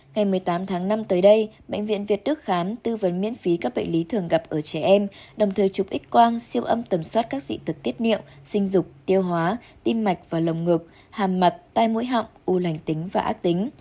ngày một mươi tám tháng năm tới đây bệnh viện việt đức khám tư vấn miễn phí các bệnh lý thường gặp ở trẻ em đồng thời chụp x quang siêu âm tầm soát các dị tật tiết niệu sinh dục tiêu hóa tim mạch và lồng ngực hàm mặt tai mũi họng u lành tính và ác tính